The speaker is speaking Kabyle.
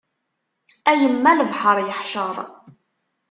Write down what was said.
A yemma lebḥer yeḥcer.